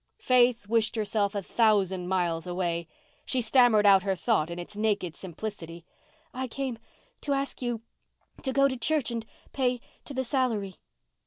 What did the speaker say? Faith wished herself a thousand miles away. She stammered out her thought in its naked simplicity. "I came—to ask you—to go to church—and pay—to the salary."